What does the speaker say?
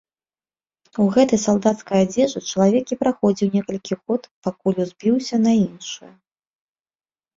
У гэтай салдацкай адзежы чалавек і прахадзіў некалькі год, пакуль узбіўся на іншую.